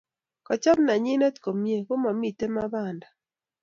Kochob nenyindet komie komomitei Mabanda